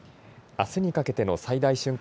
あすにかけての最大瞬間